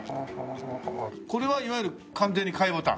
これはいわゆる完全に貝ボタン？